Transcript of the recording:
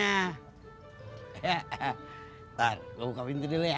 ntar gue buka pintu dulu ya